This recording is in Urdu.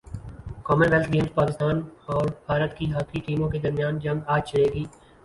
کامن ویلتھ گیمز میں پاکستان اور بھارت کی ہاکی ٹیموں کے درمیان جنگ اج چھڑے گی